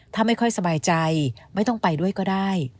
ถ้าไม่ค่อยสบายใจไม่ต้องไปด้วยก็ได้